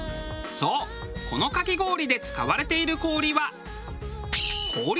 そうこのかき氷で使われている氷は。